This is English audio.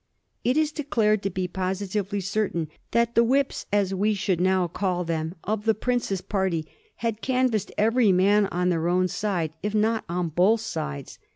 It is declared to be positively certain that the "whips," as we should now call them, of the prince's party had canvassed every man on their own side, if not on both sides.